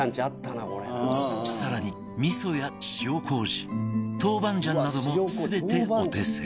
更に味噌や塩麹豆板醤なども全てお手製